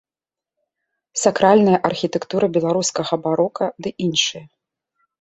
Сакральная архітэктура беларускага барока ды іншыя.